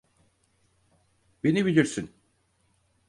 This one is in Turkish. Beni bilirsin.